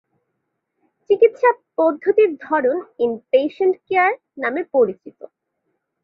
চিকিৎসা পদ্ধতির ধরন "ইন-পেশেন্ট কেয়ার" নামে পরিচিত।